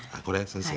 先生？